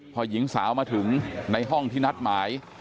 พอหญิงสาวมาถึงในห้องที่นัดหมาย